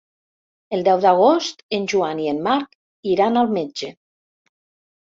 El deu d'agost en Joan i en Marc iran al metge.